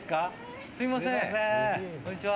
こんにちは。